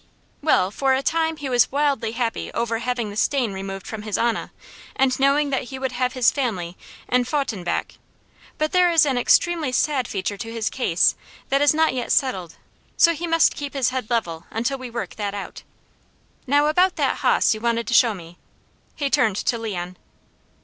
"Well, for a time he was wildly happy ovah having the stain removed from his honah, and knowing that he would have his family and faw'tn back; but there is an extremely sad feature to his case that is not yet settled, so he must keep his head level until we work that out. Now about that hoss you wanted to show me " he turned to Leon.